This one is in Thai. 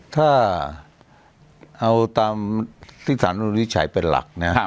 ถ้าเอาตามที่สารรัฐธรรมดุลนี้ใช้เป็นหลักนะ